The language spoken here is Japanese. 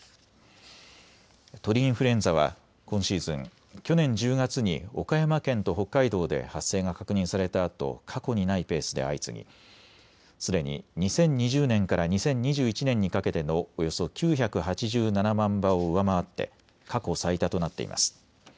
鳥インフルエンザは今シーズン、去年１０月に岡山県と北海道で発生が確認されたあと過去にないペースで相次ぎすでに２０２０年から２０２１年にかけてのおよそ９８７万羽を上回って過去最多となっています。